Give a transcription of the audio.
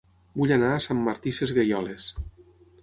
Vull anar a Sant Martí Sesgueioles